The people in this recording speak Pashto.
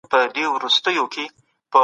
دستي یې خط ولیکه چي پلار دي خبر سي.